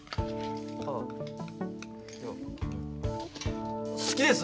あ好きです。